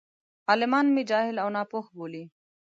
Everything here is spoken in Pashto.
عالمان مې جاهل او ناپوه بولي.